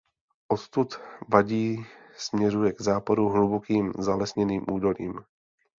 Odtud vádí směřuje k západu hlubokým zalesněným údolím.